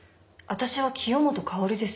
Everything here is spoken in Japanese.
私は清本薫です。